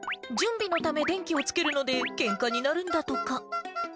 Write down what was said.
準備のため電気をつけるので、けんかになるんだとか。